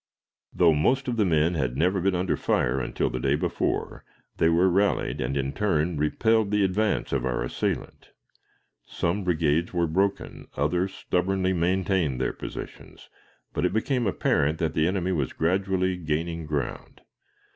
Though most of the men had never been under fire until the day before, they were rallied, and in turn repelled the advance of our assailant Some brigades were broken, others stubbornly maintained their positions, but it became apparent that the enemy was gradually gaining ground.